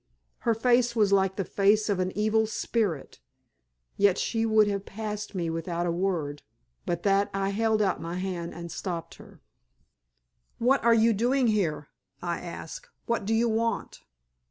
Her face was like the face of an evil spirit, yet she would have passed me without a word, but that I held out my hand and stopped her. "What are you doing here?" I asked. "What do you want?"